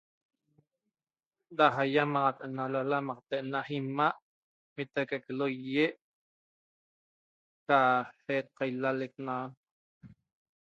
Da aiamaxat ena lalamaqte ena ima' Imitaque ca lohie da jet qailalec na'a